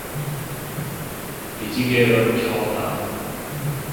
기지개를 켜다.